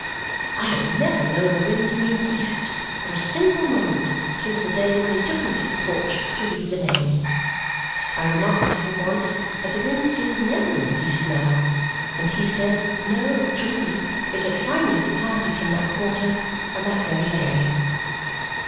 I have never known the wind to be in the east for a single moment since the day when he took me to the porch to read the name. I remarked to him once that the wind seemed never in the east now, and he said, no, truly; it had finally departed from that quarter on that very day.